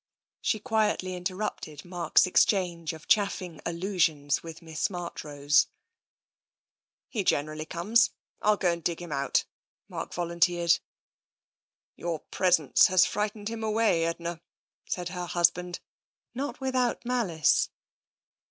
She quietly interrupted Mark's exchange of chaffing allusions with Miss Marchrose. " He generally comes. Til go and dig him out," Mark volunteered. " Your presence has frightened him away, Edna," said her husband, not without malice.